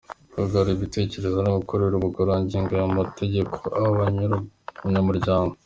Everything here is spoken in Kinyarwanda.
kungurana ibitekerezo no gukorera ubugororangingo ayo mategeko, abanyamuryango